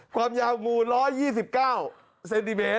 ความยาวงู๑๒๙เซนติเมตร